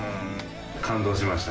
感動しました。